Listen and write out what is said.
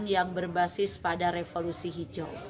yang berbasis pada revolusi hijau